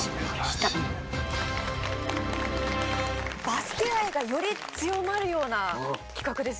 バスケ愛がより強まるような企画ですよね。